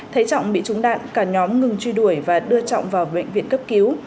thấy trọng bị trúng đạn cả nhóm ngừng truy đuổi và đưa trọng vào bệnh viện cấp cứu